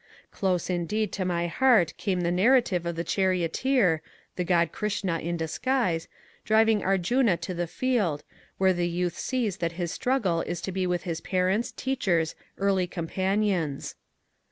Close indeed to my heart came the narrative of the charioteer (the god Krishna in disguise) driving Arjoona to the field, where the youth sees that his struggle is to be with his parents, teachers, early companions.